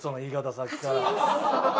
さっきから。